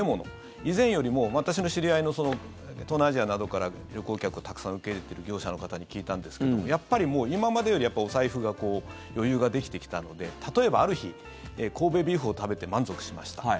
以前よりも、私の知り合いの東南アジアなどから旅行客をたくさん受け入れている業者の方に聞いたんですけどもやっぱり今までよりお財布が余裕ができてきたので例えば、ある日神戸ビーフを食べて満足しました